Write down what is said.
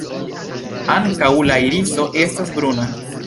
Ankaŭ la iriso estas bruna.